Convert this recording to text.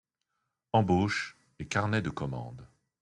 Embauches et carnets de commandes.